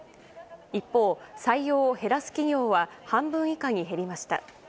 一方、採用を減らす企業は半分以下に減りました。